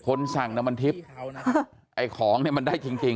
สั่งน้ำมันทิพย์ไอ้ของเนี่ยมันได้จริงจริง